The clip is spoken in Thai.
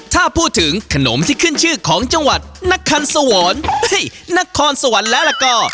ถ้าพูดถึงขนมที่ขึ้นชื่อของจังหวัดนักคันสวรนักคอนสวรแล้วก็